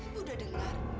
ibu udah dengar